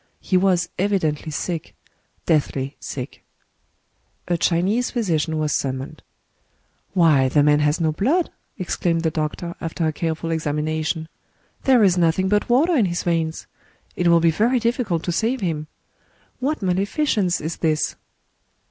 He was evidently sick, — deathly sick. A Chinese physician was summoned. " Why, the man has no blood !" exclaimed the doctor, after a careful examination ;—" there is nothing but water in his veins! It will be very difficult to save him. ... What malefi cence is this